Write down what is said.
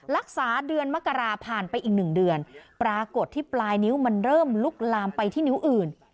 เดือนมกราผ่านไปอีกหนึ่งเดือนปรากฏที่ปลายนิ้วมันเริ่มลุกลามไปที่นิ้วอื่น